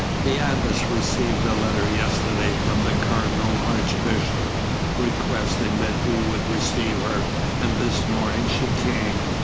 The Abbess received a letter yesterday from the Cardinal Archbishop, requesting that we would receive her, and this morning she came.